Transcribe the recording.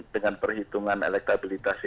dengan perhitungan elektabilitasnya